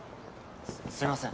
すすいません。